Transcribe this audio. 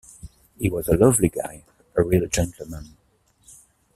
He was a lovely guy, a real gentleman.